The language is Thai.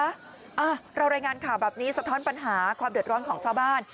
อ่าเรารายงานข่าวแบบนี้สะท้อนปัญหาความเดือดร้อนของชาวบ้าน